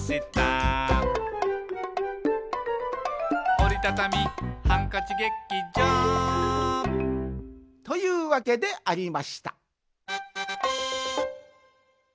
「おりたたみハンカチ劇場」というわけでありました